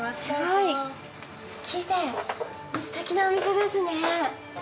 木ですてきなお店ですね。